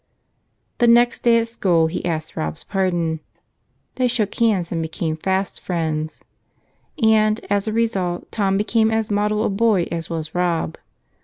The next day at school he asked Rob's pardon. They shook hands and became fast friends. And as a result Tom became as model a boy as was Rob.